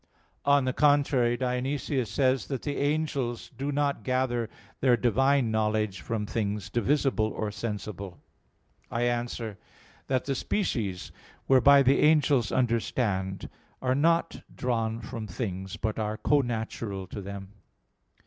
On the contrary, Dionysius says (Div. Nom. vii) that the "angels do not gather their Divine knowledge from things divisible or sensible." I answer that, The species whereby the angels understand are not drawn from things, but are connatural to them.